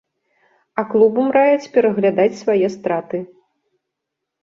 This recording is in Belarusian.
А клубам раяць пераглядаць свае страты.